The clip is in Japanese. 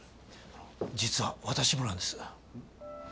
実は私もなんです。